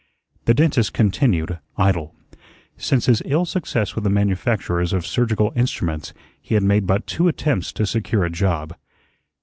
The dentist continued idle. Since his ill success with the manufacturers of surgical instruments he had made but two attempts to secure a job.